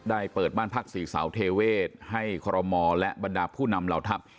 เปิดบ้านพักศรีเสาเทเวศให้คอรมอและบรรดาผู้นำเหล่าทัพ